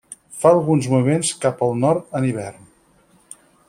Fa alguns moviments cap al Nord en hivern.